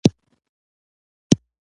چې په سترګو مې تياره شي له ډېر درده